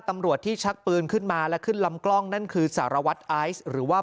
ตำรวจที่ชักปืนขึ้นมาและขึ้นลำกล้องนั่นคือสารวัตรไอซ์หรือว่า